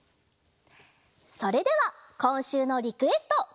それではこんしゅうのリクエスト。